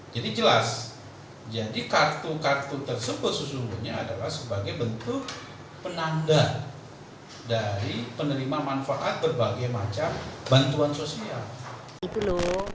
jadi jelas jadi kartu kartu tersebut sesungguhnya adalah sebagai bentuk penanda dari penerima manfaat berbagai macam bantuan sosial